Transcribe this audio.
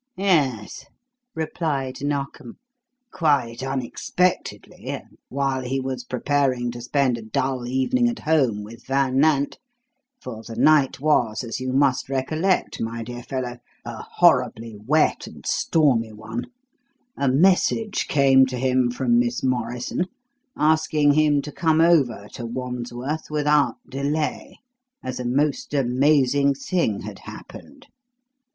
"Yes," replied Narkom. "Quite unexpectedly, and while he was preparing to spend a dull evening at home with Van Nant for the night was, as you must recollect, my dear fellow, a horribly wet and stormy one a message came to him from Miss Morrison asking him to come over to Wandsworth without delay, as a most amazing thing had happened.